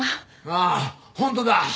ああ本当だ。